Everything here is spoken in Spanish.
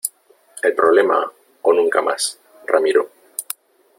el problema o nunca mas , Ramiro .